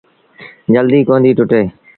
جلديٚ ڪونديٚ ٽُٽي۔